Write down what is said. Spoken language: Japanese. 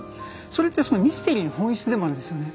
それってそのミステリーの本質でもあるんですよね。